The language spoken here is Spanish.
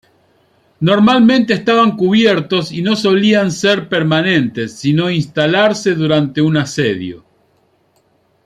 Normalmente estaban cubiertos y no solían ser permanentes, sino instalarse durante un asedio.